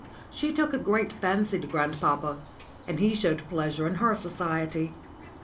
She took a great fancy to grandpapa, and he showed pleasure in her society.